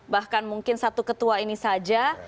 bahkan mungkin satu ketua ini saja